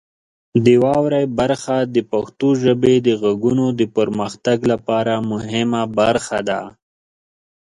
د واورئ برخه د پښتو ژبې د غږونو د پرمختګ لپاره مهمه برخه ده.